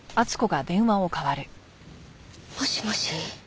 もしもし？